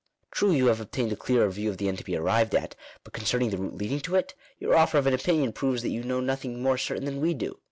True, you have obtained a clearer view of the end to be arrived at ; but concerning the route leading to it, your offer of an opinion proves that you know nothing more certain than we do.